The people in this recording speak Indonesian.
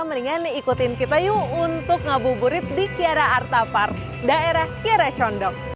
mendingan ikutin kita yuk untuk ngabuburit di kiara artapar daerah kiara condong